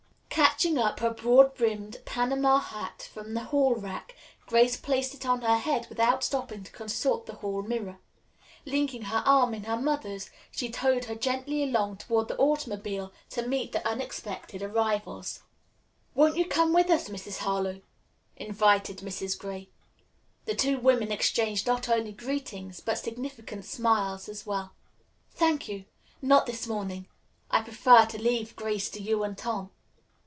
Catching up her broad brimmed Panama hat from the hall rack, Grace placed it on her head without stopping to consult the hall mirror. Linking her arm in her mother's, she towed her gently along toward the automobile to meet the unexpected arrivals. "Won't you come with us, Mrs. Harlowe?" invited Mrs. Gray. The two women exchanged not only greetings but significant smiles as well. "Thank you; not this morning. I prefer to leave Grace to you and Tom."